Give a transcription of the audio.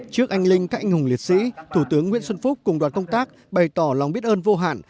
trước anh linh các anh hùng liệt sĩ thủ tướng nguyễn xuân phúc cùng đoàn công tác bày tỏ lòng biết ơn vô hạn